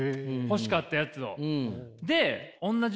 欲しかったやつを。